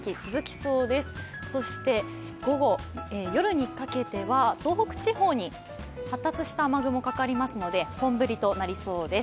そして、夜にかけては東北地方に発達した雨雲かかりますので、本降りとなりそうです。